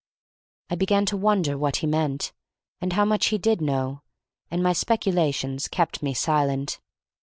I began to wonder what he meant, and how much he did know, and my speculations kept me silent.